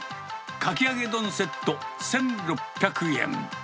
かき揚げ丼セット１６００円。